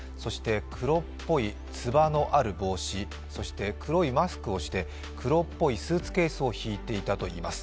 黒っぽいつばのある帽子、そして黒いマスクをして、黒っぽいスーツケースを引いていたといいます。